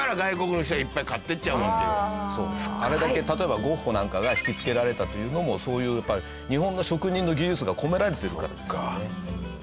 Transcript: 例えばゴッホなんかが引きつけられたというのもそういうやっぱり日本の職人の技術が込められているからですよね。